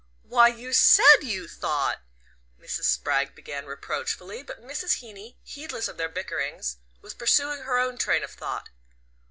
"Why, you SAID you thought " Mrs. Spragg began reproachfully; but Mrs. Heeny, heedless of their bickerings, was pursuing her own train of thought.